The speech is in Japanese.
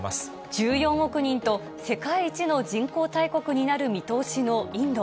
１４億人と、世界一の人口大国になる見通しのインド。